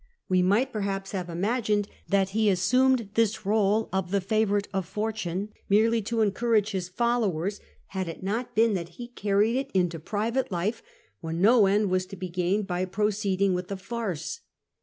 We might perhaps have imagined that he assumed this r 61 e of the favourite of fortune merely to encourage his followers, had it not been that he carried it into private life, when no end to be gained by proceeding with the farce.